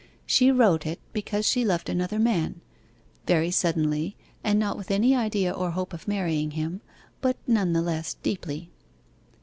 She wrote it because she loved another man; very suddenly, and not with any idea or hope of marrying him, but none the less deeply.